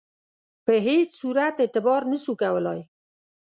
په هیڅ صورت اعتبار نه سو کولای.